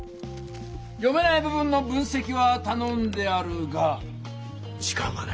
読めない部分の分せきはたのんであるが時間がない。